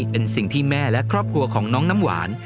เป็นสิ่งที่แม่และครอบครัวของน้องน้ำหวาน